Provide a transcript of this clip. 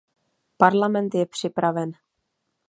Parlament je připraven.